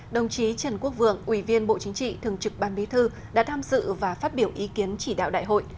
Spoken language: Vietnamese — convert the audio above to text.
đồng chí trần quốc vượng ủy viên bộ chính trị thường trực ban bí thư đã tham dự và phát biểu ý kiến chỉ đạo đại hội